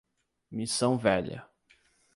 Missão Velha